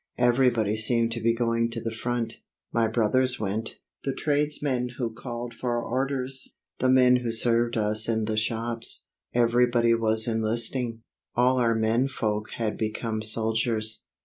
Everybody seemed to be going to the front. My brothers went; the tradesmen who called for orders; the men who served us in the shops; everybody was enlisting. All our menfolk had become soldiers.